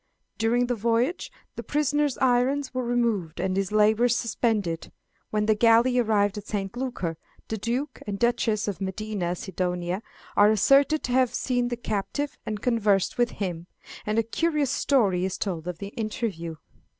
During the voyage the prisoner's irons were removed, and his labours suspended. When the galley arrived at St. Lucar, the Duke and Duchess of Medina Sidonia are asserted to have seen the captive and conversed with him; and a curious story is told of the interview.